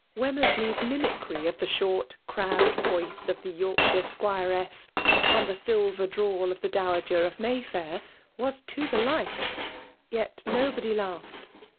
*^ Wemmeraley*s mimicry of the fihort, crabbed voice of the Yorkshire 'squiressj and the silter drawl of the dowager of May Fair^ was to the life; yet nobody laughed.